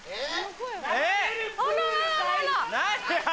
えっ？